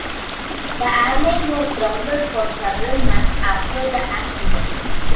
The airline was grounded for several months after the accident.